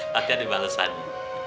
tapi ada balesannya